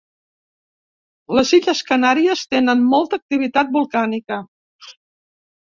Les Illes Canàries tenen molta activitat volcànica.